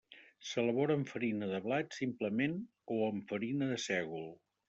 S'elabora amb farina de blat simplement o amb farina de sègol.